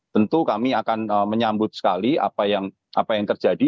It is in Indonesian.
tentu kami akan menyambut sekali apa yang terjadi